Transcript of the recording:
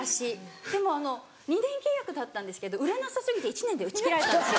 でもあの２年契約だったんですけど売れなさ過ぎて１年で打ち切られたんですよ。